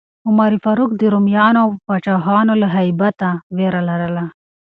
عمر فاروق ته د رومیانو پاچاهانو له هیبته ویره لرله.